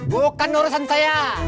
bukan urusan saya